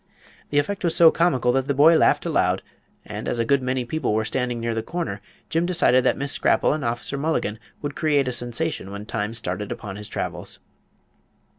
The effect was so comical that the boy laughed aloud, and as a good many people were standing near the corner Jim decided that Miss Scrapple and Officer Mulligan would create a sensation when Time started upon his travels.